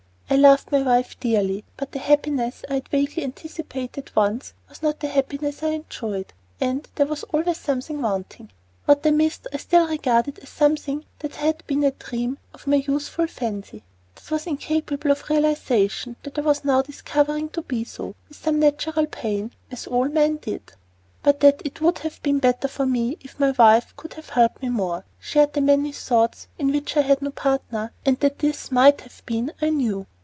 I loved my wife dearly; but the happiness I had vaguely anticipated, once, was not the happiness I enjoyed, AND THERE WAS ALWAYS SOMETHING WANTING. What I missed I still regarded as something that had been a dream of my youthful fancy; that was incapable of realization; that I was now discovering to be so, with some natural pain, as all men did. But that it would have been better for me if my wife could have helped me more, and shared the many thoughts in which I had no partner, and that this might have been I knew.